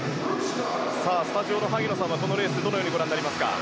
スタジオの萩野さんはこのレースどのようにご覧になりますか？